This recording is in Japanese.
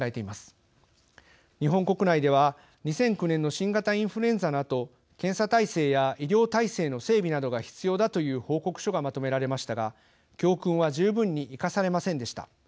日本国内では２００９年の新型インフルエンザのあと検査体制や医療体制の整備などが必要だという報告書がまとめられましたが教訓は十分に生かされませんでした。